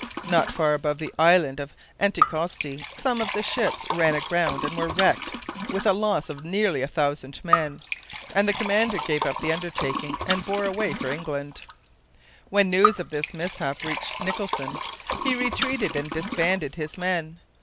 Not far above the island of Anticosti some of the ships ran aground and were wrecked with a loss of nearly a thousand men; and the commander gave up the undertaking and bore away for England. When news of this mishap reached Nicholson he retreated and disbanded his men.